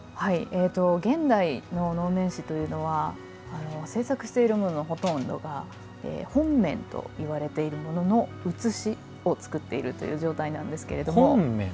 現代の能面師というのは制作しているもののほとんどが本面といわれているものの写しを作っているという状態なんですけれども。